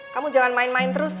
kamu jangan main main terus